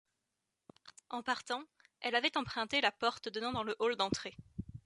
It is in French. En partant, elle avait emprunté la porte donnant dans le hall d'entrée.